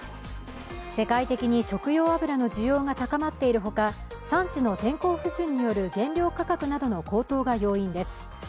世界的に食用油の需要が高まっている他、産地の天候不順による原料価格などの高騰が要因です。